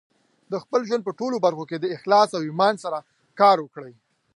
د خپل ژوند په ټولو برخو کې د اخلاص او ایمان سره کار وکړئ.